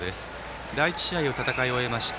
第１試合を戦い終えました